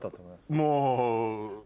もう。